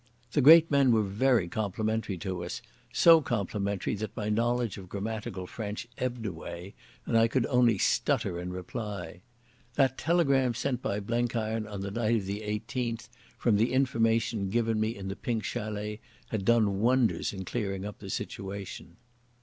The great men were very complimentary to us, so complimentary that my knowledge of grammatical French ebbed away and I could only stutter in reply. That telegram sent by Blenkiron on the night of the 18th, from the information given me in the Pink Chalet, had done wonders in clearing up the situation.